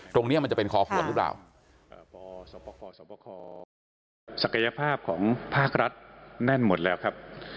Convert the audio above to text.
ตรงเนี่ยมันจะเป็นขอควรหรือเปล่าสักยภาพของภาครัฐแน่นหมดแล้วครับ